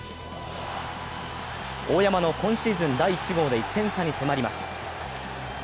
大山の今シーズン第１号で１点差に迫ります。